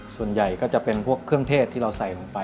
ส่วนใหญ่ก็จะเป็นพวกเครื่องเทศที่เราใส่ลงไป